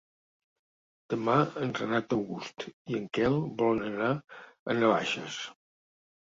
Demà en Renat August i en Quel volen anar a Navaixes.